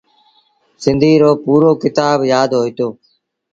سنڌيٚ رو پورو ڪتآب يآدهوئيٚتو۔